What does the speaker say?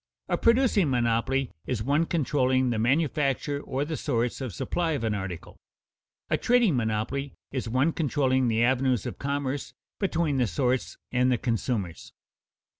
A producing monopoly is one controlling the manufacture or the source of supply of an article; a trading monopoly is one controlling the avenues of commerce between the source and the consumers.